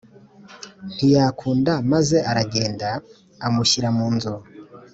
Ntiyakunda maze aragenda amushyira mu nzu